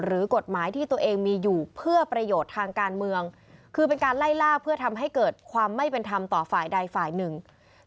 หรือกฎหมายที่ตัวเองมีอยู่เพื่อประโยชน์ทางการเมือง